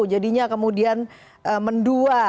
jadinya kemudian mendua